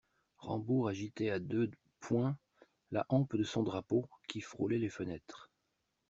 Rambourg agitait à deux poings la hampe de son drapeau, qui frôlait les fenêtres.